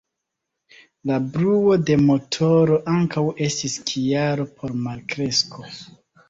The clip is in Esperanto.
La bruo de motoro ankaŭ estis kialo por malkresko.